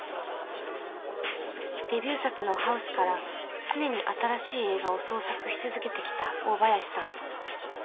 デビュー作の「ＨＯＵＳＥハウス」から常に新しい映画を創作し続けてきた大林さん。